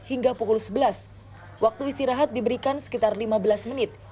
hingga pukul sebelas waktu istirahat diberikan sekitar lima belas menit